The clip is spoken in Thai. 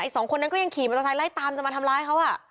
ไอ้๒คนนั้นก็ยังขี่มาตรงท้ายไล่ตามจะมาทำร้ายเขาอ่ะ